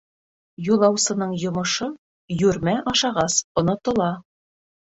Юлаусының йомошо йүрмә ашағас онотола.